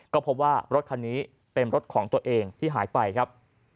ก็พบว่ารถคันนี้เป็นรถของตัวเองที่หายไปครับ